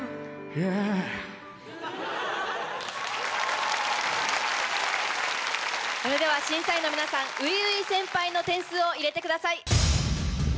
Ｙｅａｈそれでは審査員の皆さんｕｉｕｉ先輩の点数を入れてください。